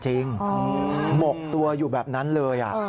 หมกตัวอยู่แบบนั้นเลย